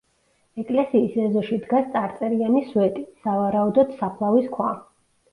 ეკლესიის ეზოში დგას წარწერიანი სვეტი, სავარაუდოდ საფლავის ქვა.